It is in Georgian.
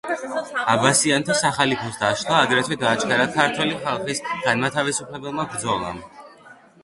აბასიანთა სახალიფოს დაშლა აგრეთვე დააჩქარა ქართველი ხალხის განმათავისუფლებელმა ბრძოლამ.